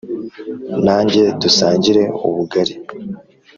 nanjye dusangire ubugari